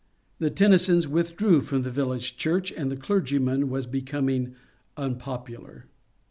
The Tennysons withdrew from the village church, and the clergyman was becoming unpopular.